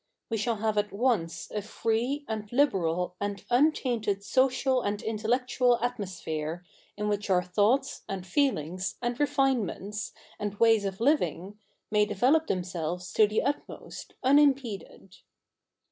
We shall have at once a free, and liberal, and untainted social and intellectual atmosphere, in which our thoughts, and feelings, and refinements, and ways of living, may develop themselves to the utmost, unimpeded.